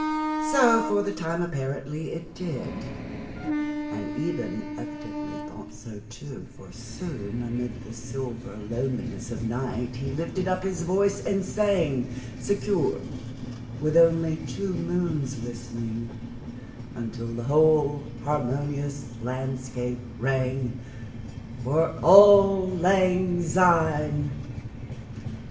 So, for the time, apparently it did, And Eben evidently thought so too; For soon amid the silver lonelinessOf night he lifted up his voice and sang, Secure, with only two moons listening, Until the whole harmonious landscape rang—"For auld lang syne."